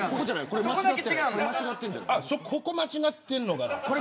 ここ間違ってるのかな。